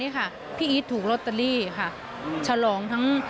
หนูเข็ม